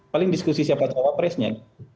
paling diskusi siapa capresnya